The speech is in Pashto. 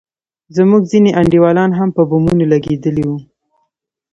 زموږ ځينې انډيوالان هم په بمونو لگېدلي وو.